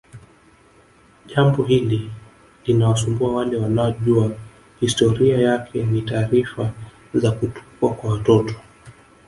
Jambo hili linawasumbua wale wanaojua historia yake ni taarifa za kutupwa kwa watoto